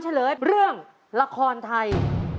เฉลยเรื่องละครไทย